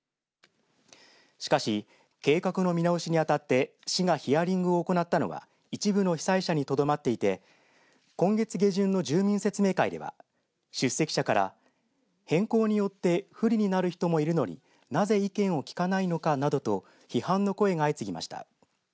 しかし、計画の見直しに当たって市がヒアリングを行ったのは一部の被災者にとどまっていて今月下旬の住民説明会では出席者から変更によって不利になる人もいるのになぜ意見を聞かないのかなどと批判の声が相次ぎました。